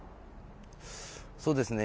そうですね。